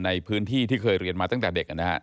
ในพื้นที่ที่เคยเรียนมาตั้งแต่เด็ก